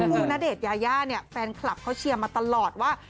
ซึ่งณเดชน์ยายาเนี่ยแฟนคลับเขาเชียร์มาตลอดว่า